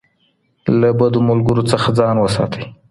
له بدو ملګرو څخه ځان وساتئ.